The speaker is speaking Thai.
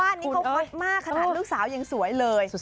นี้เขาฮอตมากขนาดลูกสาวยังสวยเลย